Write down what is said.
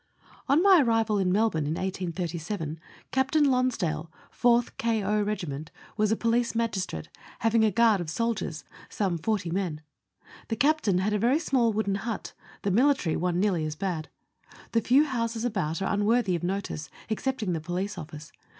On my arrival in Melbourne in 1837, Captain Lonsdale, 4th K. 0. Regiment, was police magistrate, having a guard of soldiers some 40 men. The Captain had a very small wooden hut ; the military, one nearly as bad. The few houses about are un worthy of notice, excepting the police office.